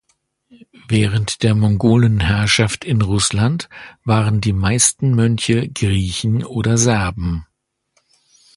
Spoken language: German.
Während der Mongolenherrschaft in Russland waren die meisten Mönche Griechen oder Serben.